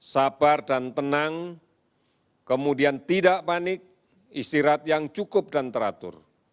sabar dan tenang kemudian tidak panik istirahat yang cukup dan teratur